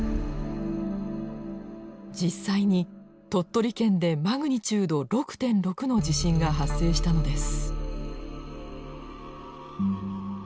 実際に鳥取県でマグニチュード６．６の地震が発生したのです。